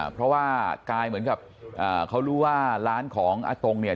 เพราะว่ากายเหมือนกับเขารู้ว่าร้านของอาตงเนี่ย